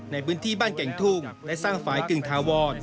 ในพื้นที่บ้านแก่งทุ่งและสร้างฝ่ายกึ่งถาวร